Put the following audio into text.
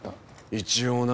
一応な。